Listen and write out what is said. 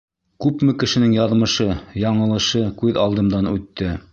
Күпме кешенең яҙмышы-яңылышы күҙ алдымдан үтте!